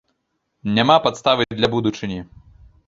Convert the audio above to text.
Няма падставы для будучыні.